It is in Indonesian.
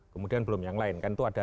kemudian belum yang lain kan itu ada